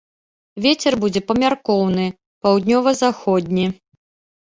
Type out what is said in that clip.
Вецер будзе памяркоўны, паўднёва-заходні.